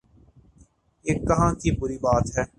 یہ کہاں کی بری بات ہے؟